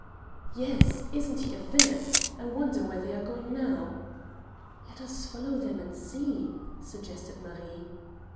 "Yes. Isn't he a villain? I wonder where they are going now!" "Let us follow them and see," suggested Marie.